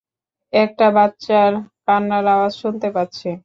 একটা বাচ্চার কান্নার আওয়াজ শুনতে পাচ্ছি।